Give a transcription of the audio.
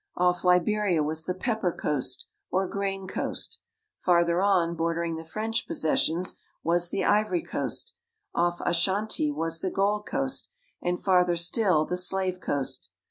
Off Liberia was the Pepper <■( i t ■ r rniii r '■! t Fnlln'r on bordering the French possessions, was the Ivory Coast; off Ashanti was the Gold Coast, and farther still the Slave Coast.